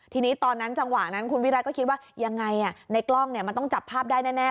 ทีนี้ตอนนั้นจังหวะนั้นคุณวิรัติก็คิดว่ายังไงในกล้องมันต้องจับภาพได้แน่